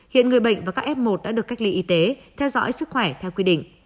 hiện người bệnh và các f một đã được cách ly y tế theo dõi sức khỏe theo quy định